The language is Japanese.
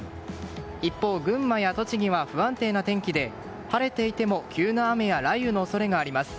一方、群馬や栃木は不安定な天気で晴れていても急な雨や雷雨の恐れがあります。